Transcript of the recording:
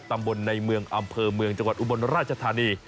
ตำบลในเมืองอำเภอเมืองจังหวัดอุบลราชธานี